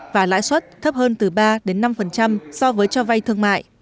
và lãi suất thấp hơn từ ba đến năm so với cho vay thương mại